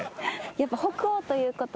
やっぱ北欧ということで。